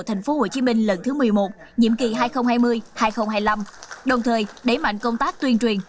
tp hcm lần thứ một mươi một nhiệm kỳ hai nghìn hai mươi hai nghìn hai mươi năm đồng thời đẩy mạnh công tác tuyên truyền